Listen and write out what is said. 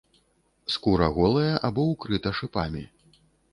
Скура голая або ўкрыта шыпамі.